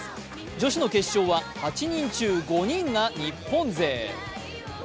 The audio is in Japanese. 女子の決勝は８人中５人が日本勢。